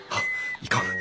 いかん！